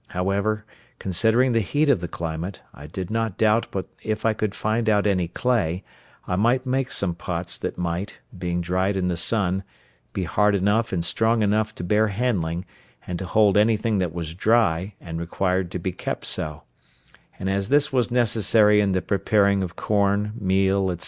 However, considering the heat of the climate, I did not doubt but if I could find out any clay, I might make some pots that might, being dried in the sun, be hard enough and strong enough to bear handling, and to hold anything that was dry, and required to be kept so; and as this was necessary in the preparing corn, meal, &c.